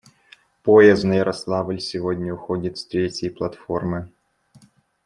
Поезд на Ярославль сегодня уходит с третьей платформы.